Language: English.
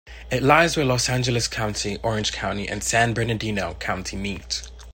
It lies where Los Angeles County, Orange County and San Bernardino County meet.